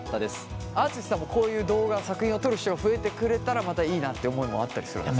あああつしさんもこういう動画作品を撮る人が増えてくれたらまたいいなって思いもあったりするんですか？